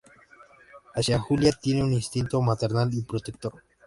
Hacia Julia tiene un instinto maternal y protector.